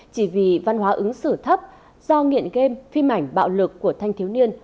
chỉ vì văn hóa ứng xử thấp do nghiện game phim ảnh bạo lực của thanh thiếu niên